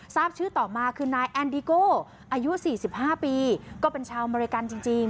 ทราบชื่อต่อมาคือนายแอนดิโก้อายุ๔๕ปีก็เป็นชาวอเมริกันจริง